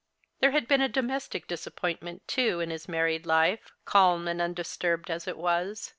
There had been a domestic disappointment, too, in his married life, calm and undisturbed as it was.